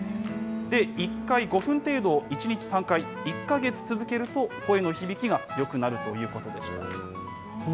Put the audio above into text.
１回５分程度を１日３回、１か月続けると、声の響きがよくなるということでした。